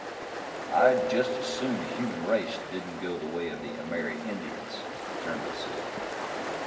"I'd just as soon the human race didn't go the way of the Amerindians," Turnbull said.